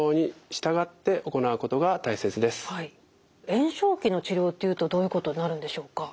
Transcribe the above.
炎症期の治療っていうとどういうことになるんでしょうか？